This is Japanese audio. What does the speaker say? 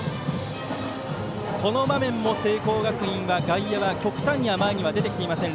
この場面も聖光学院は、外野は極端には前に出てきていません。